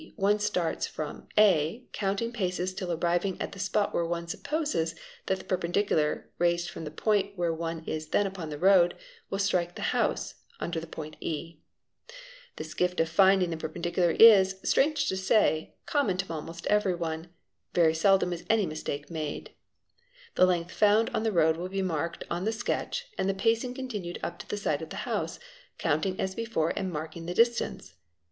one starts from a counting the paces till arriving at the spot where one supposes that the _ perpendicular, raised from the point where one is then upon the road, will strike the house (under the point ¢). This gift of finding the perpendi ry PLATO DT ELEM L OS 5 O SEAS AA RES LAT UN RELA AS NE AT EET RR cular is, strange to say, common to almost every one; very seldom is any mistake made. The length found on the road will be marked on the sketch and the pacing continued up to the side of the house, counting as before and marking the distance.